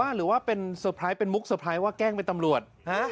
หรือว่าเป็นมุกว่าแกล้งเป็นตำรวจ